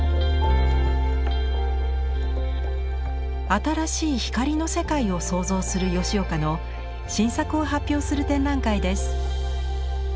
新しい光の世界を創造する吉岡の新作を発表する展覧会です。